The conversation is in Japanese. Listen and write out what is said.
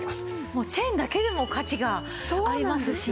もうチェーンだけでも価値がありますしね。